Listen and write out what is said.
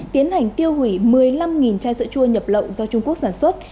tiến hành tiêu hủy một mươi năm chai sữa chua nhập lậu do trung quốc sản xuất